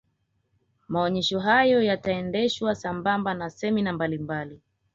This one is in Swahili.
maonyesho hayo yataendeshwa sambamba na semina mbalimbali